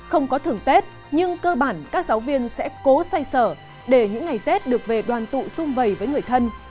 không có thưởng tết nhưng cơ bản các giáo viên sẽ cố xoay sở để những ngày tết được về đoàn tụ xung vầy với người thân